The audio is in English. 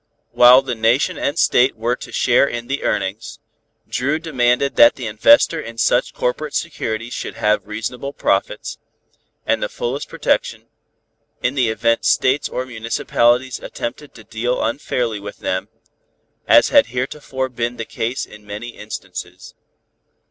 While the Nation and State were to share in the earnings, Dru demanded that the investor in such corporate securities should have reasonable profits, and the fullest protection, in the event states or municipalities attempted to deal unfairly with them, as had heretofore been the case in many instances.